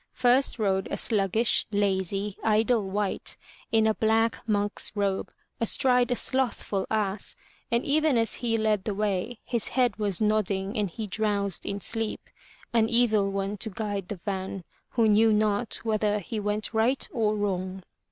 First rode a sluggish, lazy, idle wight in a black monk's robe, astride a slothful ass, and even as he led the way, his head was nodding and he drowsed in sleep, — an evil one to guide the van, who knew not whether he went right or wrong.